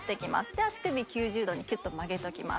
で足首９０度にキュッと曲げておきます。